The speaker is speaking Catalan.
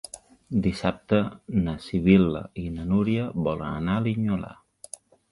Dissabte na Sibil·la i na Núria volen anar a Linyola.